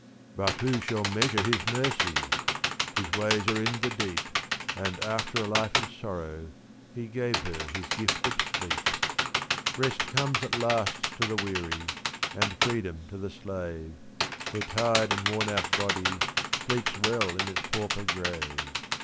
But who shall measure His mercies? His ways are in the deep; And, after a life of sorrow, He gave her His gift of sleep. Rest comes at last to the weary, And freedom to the slave; Her tired and worn out body Sleeps well in its pauper grave.